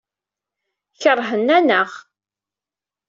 Keṛhen-aneɣ.